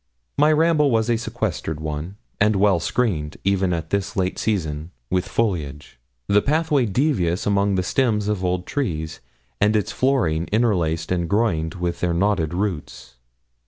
My ramble was a sequestered one, and well screened, even at this late season, with foliage; the pathway devious among the stems of old trees, and its flooring interlaced and groined with their knotted roots.